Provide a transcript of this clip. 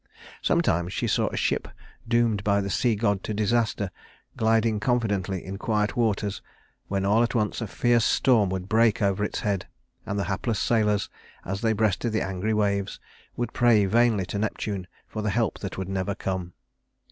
Sometimes she saw a ship, doomed by the sea god to disaster, gliding confidently in quiet waters, when all at once a fierce storm would break over its head; and the hapless sailors, as they breasted the angry waves, would pray vainly to Neptune for the help that would never come.